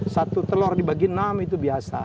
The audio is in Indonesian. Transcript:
satu telur dibagi enam itu biasa